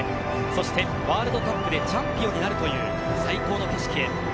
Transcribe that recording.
そして、ワールドカップでチャンピオンになるという最高の景色へ。